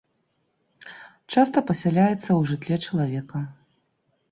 Часта пасяляецца ў жытле чалавека.